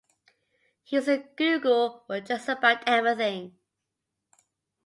He uses google for just about everything.